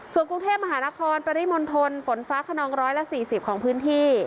ส่วนกรุงเทพมหานครปริมณฑลฝนฟ้าขนอง๑๔๐ของพื้นที่